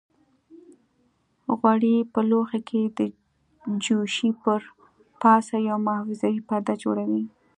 غوړي په لوښي کې د جوشې پر پاسه یو محافظوي پرده جوړوي.